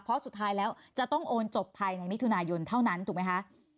เพราะสุดท้ายแล้วจะต้องโอนจบภายในมิถุนายนเท่านั้นถูกไหมคะ